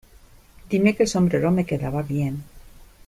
Dime que el sombrero me quedaba bien.